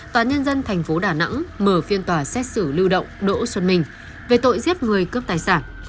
thành phố đà nẵng mở phiên tòa xét xử lưu động đỗ xuân minh về tội giết người cướp tài sản